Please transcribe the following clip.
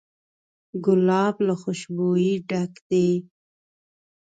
ګلاب له خوشبویۍ ډک دی.